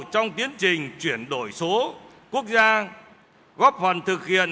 trong tiến trình chuyển đổi số quốc gia góp phần thực hiện